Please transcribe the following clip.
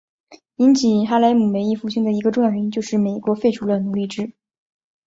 引起哈莱姆文艺复兴的一个重要原因就是美国废除了奴隶制。